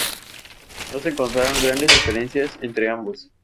No se encontraron grandes diferencias entre ambos.